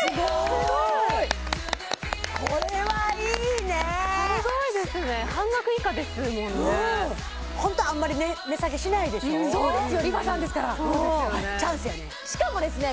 すごいこれはいいねすごいですね半額以下ですもんねホントあんまり値下げしないでしょそうですよＲｅＦａさんですからしかもですね